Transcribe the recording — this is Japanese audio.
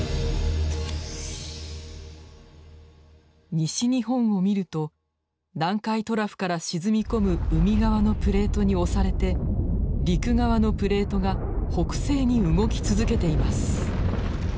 西日本を見ると南海トラフから沈み込む海側のプレートに押されて陸側のプレートが北西に動き続けています。